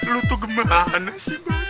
lu tuh gimana sih